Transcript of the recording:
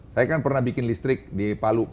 saya kan pernah bikin listrik di palu